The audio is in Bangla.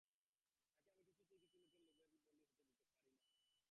তাকে আমরা কিছুতেই কিছু লোকের লোভের বলি হতে দিতে পারি না।